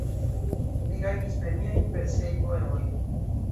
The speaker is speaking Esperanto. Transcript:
Li gajnis premiojn per siaj poemoj.